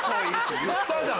言ったじゃん！